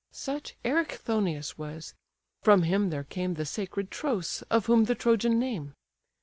Such Erichthonius was: from him there came The sacred Tros, of whom the Trojan name.